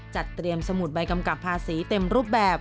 จัดเตรียมสมุดใบกำกับภาษีเต็มรูปแบบ